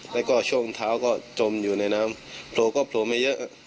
แล้วก็ช่วงเท้าก็จมอยู่ในน้ำโผล่ก็โผล่ไม่เยอะ